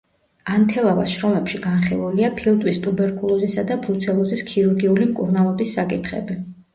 ანთელავას შრომებში განხილულია ფილტვის ტუბერკულოზისა და ბრუცელოზის ქირურგიული მკურნალობის საკითხები.